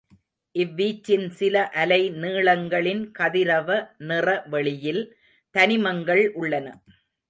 இவ்வீச்சின் சில அலை நீளங்களின் கதிரவ நிற வெளியில் தனிமங்கள் உள்ளன.